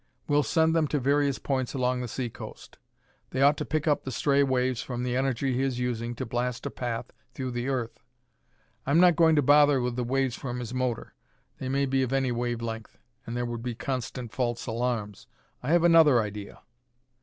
We'll send them to various points along the seacoast. They ought to pick up the stray waves from the energy he is using to blast a path through the earth. I'm not going to bother with the waves from his motor; they may be of any wave length, and there would be constant false alarms. I have another idea."